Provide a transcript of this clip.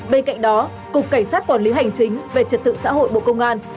bên cạnh đó cục cảnh sát quản lý hành chính về trật tự xã hội bộ công an